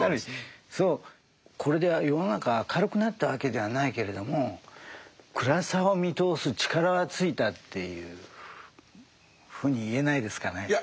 これで世の中明るくなったわけではないけれども暗さを見通す力はついたっていうふうに言えないですかね？